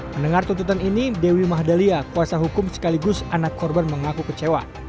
mendengar tuntutan ini dewi mahdalia kuasa hukum sekaligus anak korban mengaku kecewa